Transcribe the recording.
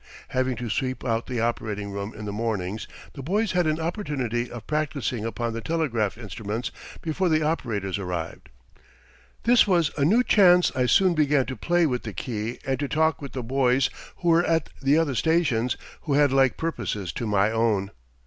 Having to sweep out the operating room in the mornings, the boys had an opportunity of practicing upon the telegraph instruments before the operators arrived. This was a new chance. I soon began to play with the key and to talk with the boys who were at the other stations who had like purposes to my own.